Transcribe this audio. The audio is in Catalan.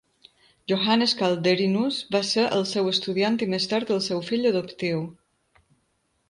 Johannes Calderinus va ser el seu estudiant i més tard el seu fill adoptiu.